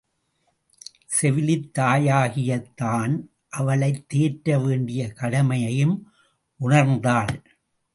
செவிலித் தாயாகிய தான் அவளைத் தேற்ற வேண்டிய கடமையையும் உணர்ந்தாள்.